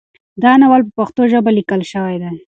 دا ناول په پښتو ژبه لیکل شوی دی.